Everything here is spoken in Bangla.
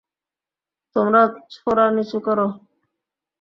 তোমার ছোরা নিচু করো।